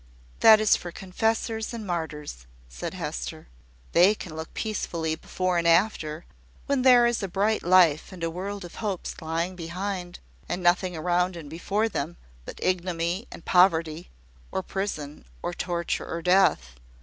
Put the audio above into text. "That is for confessors and martyrs," said Hester. "They can look peacefully before and after, when there is a bright life and a world of hopes lying behind; and nothing around and before them but ignominy and poverty, or prison, or torture, or death.